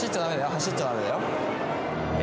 走っちゃダメだよ